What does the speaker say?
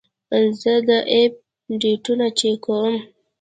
زه د اپ ډیټونه چک کوم.